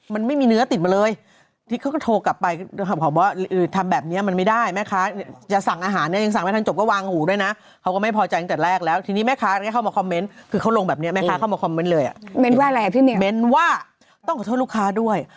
มันไม่มีเนื้อติดมาเลย